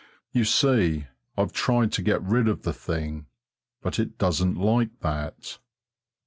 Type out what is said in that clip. You see, I've tried to get rid of the thing, but it doesn't like that.